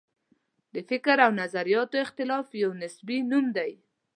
د فکر او نظریاتو اختلاف یو نصبي نوم دی.